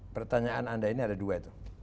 pertanyaan anda ini ada dua itu